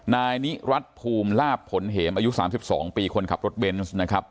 นายนิรัติภูมิลาบผลเหมอายุ๓๒ปีคนขับรถเบนส์นะครับ